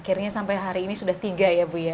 akhirnya sampai hari ini sudah tiga ya bu ya